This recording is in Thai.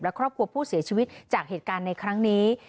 และครอบครัวผู้เสียชีวิตจากเหตุการณ์ในครั้งนี้